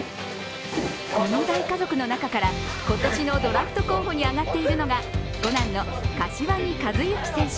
この大家族の中から今年のドラフト候補に上がっているのが五男の柏木寿志選手。